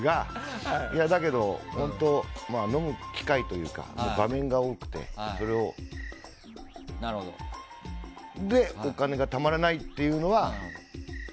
だけど、本当、飲む機会というか場面が多くて、それでお金がたまらないというのは。